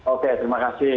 oke terima kasih